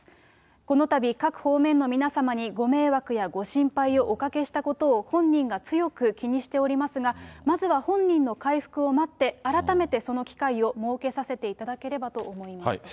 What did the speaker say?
このたび各方面の皆様にご迷惑やご心配をおかけしたことを本人が強く気にしておりますが、まずは本人の回復を待って、改めてその機会を設けさせていただければと思いますと。